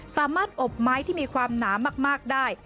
สามารถอบไม้ที่มีความหนามากได้